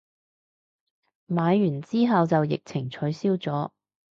買完之後就疫情取消咗